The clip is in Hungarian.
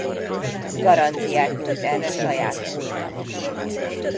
Garanciát nyújt erre saját múltam is.